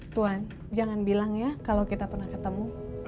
tuhan jangan bilang ya kalau kita pernah ketemu